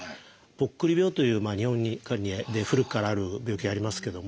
「ぽっくり病」という日本にかなり古くからある病気がありますけども。